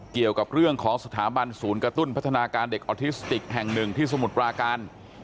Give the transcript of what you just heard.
เกี่ยวกับเรื่องของสถาบันศูนย์กระตุ้นพัฒนาการเด็กออทิสติกแห่งหนึ่งที่สมุทรปราการ